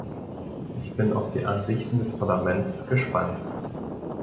Ich bin auf die Ansichten des Parlaments gespannt.